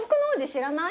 知らない？